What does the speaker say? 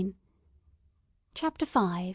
CHAPTER V.